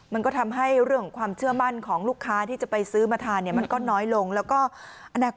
มันก็ทำให้เรื่องความเชื่อมั่นของลูกค้าที่จะไปซื้อมาทาน